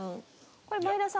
これ前田さん